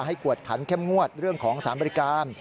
กวดขันเข้มงวดเรื่องของสารบริการ